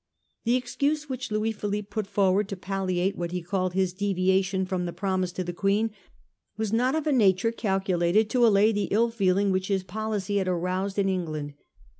The excuse which Louis Philippe put forward to palliate what he called his ' deviation ' from the pro mise to the Queen was not of a nature calculated to allay the ill feeling which his policy had aroused in England.